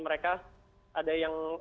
mereka ada yang